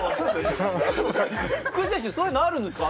福井選手、そういうのあるんですか？